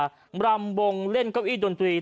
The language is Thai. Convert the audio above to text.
รำวงเล่นเก้าอี้ดนตรี